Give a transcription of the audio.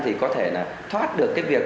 thì có thể là thoát được cái việc